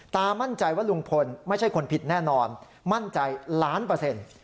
ตามั่นใจว่าลุงพลไม่ใช่คนผิดแน่นอนมั่นใจล้านเปอร์เซ็นต์